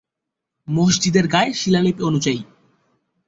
মসজিদের গায়ের শিলালিপি অনুযায়ী।